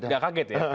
nggak kaget ya